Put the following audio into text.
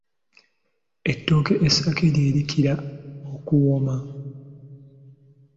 Ettooke essake lye likira okuwooma.